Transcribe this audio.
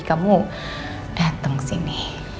kamu dateng sini